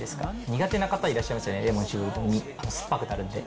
苦手な方いらっしゃいますよね、レモン搾るとすっぱくなるんで。